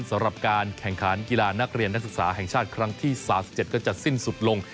สำหรับการแข่งขันกีฬานักเรียนนักศึกษาแห่งชาติครั้งที่๓๗ก็จะสิ้นสุดลง